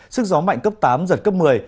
sức gió mạnh cấp tám giật cấp một mươi